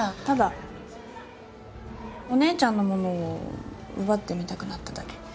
ただお姉ちゃんのものを奪ってみたくなっただけ。